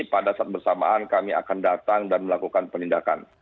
pada saat bersamaan kami akan datang dan melakukan penindakan